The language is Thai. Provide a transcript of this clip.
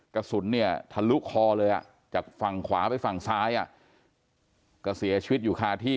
กระสุนเนี่ยทะลุคอเลยอ่ะจากฝั่งขวาไปฝั่งซ้ายก็เสียชีวิตอยู่คาที่